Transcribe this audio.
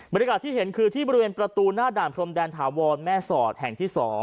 ที่เห็นคือที่บริเวณประตูหน้าด่านพรมแดนถาวรแม่สอดแห่งที่๒